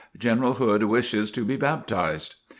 General Hood wishes to be baptized."